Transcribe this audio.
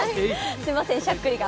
すみません、しゃっくりが。